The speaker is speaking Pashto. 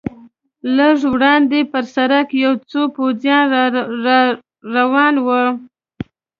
لږ وړاندې پر سړک یو څو پوځیان را روان و.